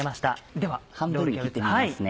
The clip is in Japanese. では半分に切ってみますね。